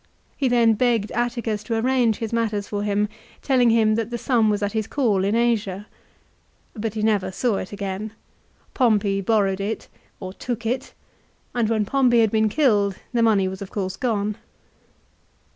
He then begged Atticus to arrange his matters for him, telling him that the sum was at his call in Asia. 1 But he never saw it again. Pompey borrowed it or took it, and when Pompey had been killed the money was of course gone.